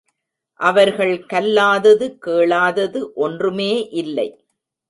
அவர்கள் கல்லாதது, கேளாதது ஒன்றுமே இல்லை.